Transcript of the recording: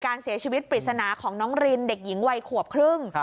การเสียชีวิตปริศนาของน้องรินเด็กหญิงวัยขวบครึ่ง